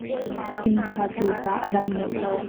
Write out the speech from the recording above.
Inn satu pa a dam deuh lo.